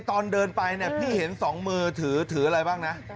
ตอนเดินไปเนี่ยพี่เห็น๒มือถือถืออะไรบ้างนะ